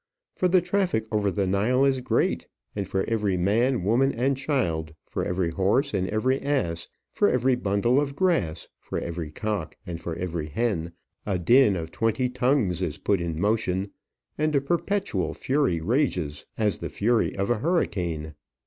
For the traffic over the Nile is great, and for every man, woman, and child, for every horse and every ass, for every bundle of grass, for every cock and for every hen, a din of twenty tongues is put in motion, and a perpetual fury rages, as the fury of a hurricane.